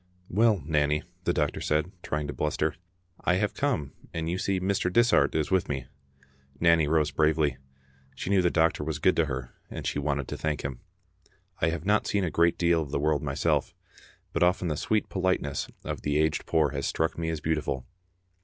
" Well, Nanny," the doctor said, trying to bluster, " I have come, and you see Mr. Dishart is with me." Nanny rose bravely. She knew the doctor was good to her, and she wanted to thank him. I have not seen a great deal of the world myself, but often the sweet politeness of the aged poor has struck me as beautiful.